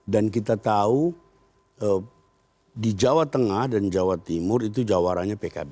dan kita tahu di jawa tengah dan jawa timur itu jawarannya pkb